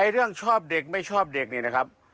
เรื่องชอบเด็กไม่ชอบเด็กนี่นะครับ